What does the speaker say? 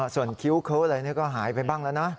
ส่วนคิ้วเคิ้อะไรก็หายไปบ้างแล้วนะ